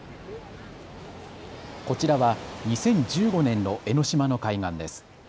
こちらは２０１５年の江ノ島の海岸です。